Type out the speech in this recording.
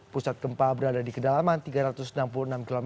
pusat gempa berada di kedalaman tiga ratus enam puluh enam km